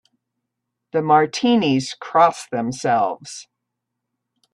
The Martinis cross themselves.